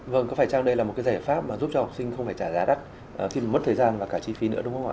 vâng có phải chăng đây là một cái giải pháp mà giúp cho học sinh không phải trả giá đắt khi mà mất thời gian và cả chi phí nữa đúng không ạ